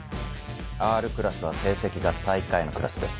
Ｒクラスは成績が最下位のクラスです。